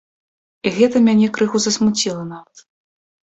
І гэта мяне крыху засмуціла нават.